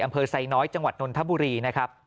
ไซน้อยจังหวัดนนทบุรีนะครับ